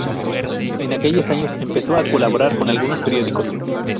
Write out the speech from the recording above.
En aquellos años, empezó a colaborar con algunos periódicos.